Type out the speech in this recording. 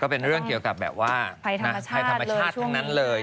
เป็นเรื่องเกี่ยวกับแบบว่าภัยธรรมชาติทั้งนั้นเลย